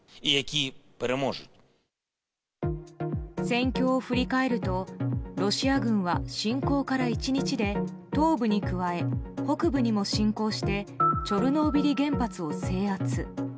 戦況を振り返るとロシア軍は侵攻から１日で東部に加え、北部にも侵攻してチョルノービリ原発を制圧。